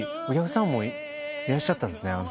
お客さんもいらっしゃったんですね